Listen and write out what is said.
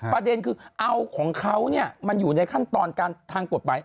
ประเด็นคือเอาของเขามันอยู่ในขั้นตอนการทางกฎหมาย